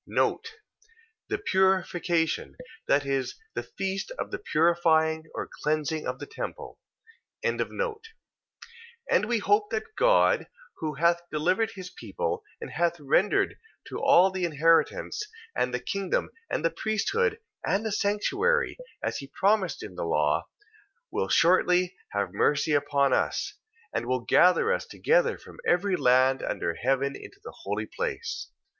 The purification... That is, the feast of the purifying or cleansing of the temple. 2:17. And we hope that God, who hath delivered his people, and hath rendered to all the inheritance, and the kingdom, and the priesthood, and the sanctuary, 2:18. As he promised in the law, will shortly have mercy upon us, and will gather us together from every land under heaven into the holy place.